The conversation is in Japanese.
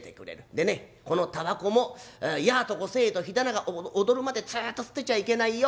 でねこの煙草もやあとこせと火玉が踊るまでつっと吸ってちゃいけないよ。